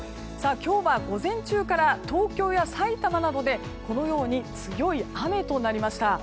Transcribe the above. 今日は午前中から東京や埼玉などでこのように強い雨となりました。